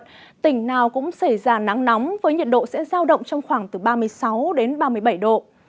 nào tỉnh nào cũng xảy ra nắng nóng với nhiệt độ sẽ giao động trong khoảng từ ba mươi sáu đến ba mươi bảy độ